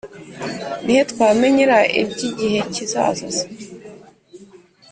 Ni he twamenyera iby igihe kizaza